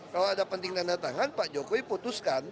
kalau ada penting tanda tangan pak jokowi putuskan